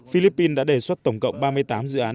philippines đã đề xuất tổng cộng ba mươi tám dự án